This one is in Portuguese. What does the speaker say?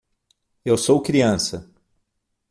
Eu sou criança